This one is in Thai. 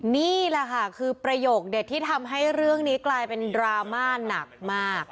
นี่แหละค่ะคือประโยคเด็ดที่ทำให้เรื่องนี้กลายเป็นดราม่าหนักมาก